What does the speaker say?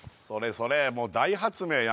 それそれもう大発明